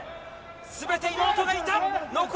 全て、妹がいた。